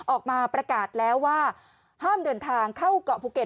ออกมาประกาศแล้วว่าห้ามเดินทางเข้าเกาะภูเก็ต